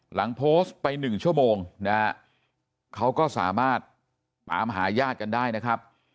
หลังโพสต์ไป๑ชั่วโมงนะฮะเขาก็สามารถตามหาญาติกันได้นะครับ